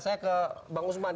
saya ke bang usman